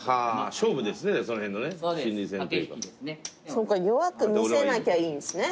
そうか弱く見せなきゃいいんですね。